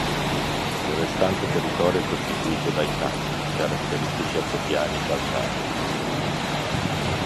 Il restante territorio è costituito dai Tacchi, caratteristici di altopiani calcarei.